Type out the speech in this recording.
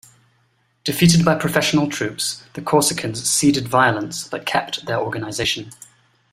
Defeated by professional troops the Corsicans ceded violence but kept their organisation.